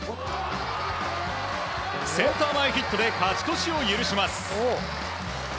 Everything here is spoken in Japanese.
センター前ヒットで勝ち越しを許します。